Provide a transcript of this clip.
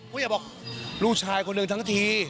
ก็อยากบอกลูกชายคนหนึ่งทั้งที